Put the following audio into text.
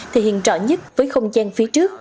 thể hiện rõ nhất với không gian phía trước